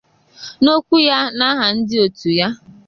N'okwu ya n'aha ndị òtù ya